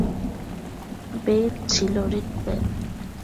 বেদ ছিল ঋগ্বেদ।